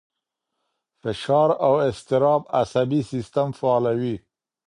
فشار او اضطراب عصبي سیستم فعالوي.